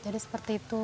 jadi seperti itu